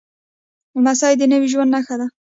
لمسی د نوي ژوند نښه ده.